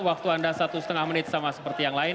waktu anda satu setengah menit